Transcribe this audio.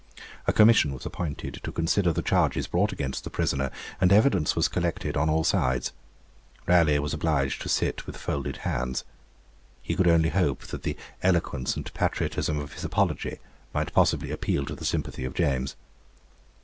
A commission was appointed to consider the charges brought against the prisoner, and evidence was collected on all sides. Raleigh was obliged to sit with folded hands. He could only hope that the eloquence and patriotism of his Apology might possibly appeal to the sympathy of James.